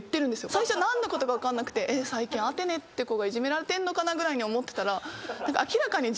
最初何のことか分かんなくて最近アテネって子がいじめられてんのかなぐらいに思ってたら。